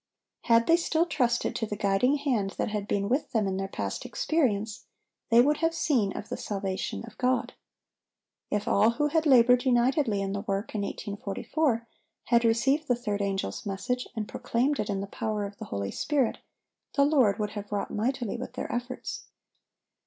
Had they still trusted to the guiding hand that had been with them in their past experience, they would have seen of the salvation of God. If all who had labored unitedly in the work in 1844, had received the third angel's message and proclaimed it in the power of the Holy Spirit, the Lord would have wrought mightily with their efforts.